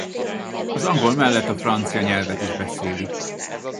Az angol mellett a francia nyelvet is beszélik.